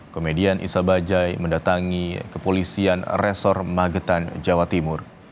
komedian isa bajai mendatangi kepolisian resor magetan jawa timur